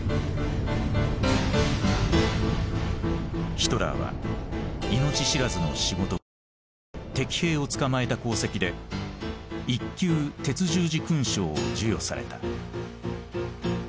ヒトラーは命知らずの仕事ぶり敵兵を捕まえた功績で一級鉄十字勲章を授与された。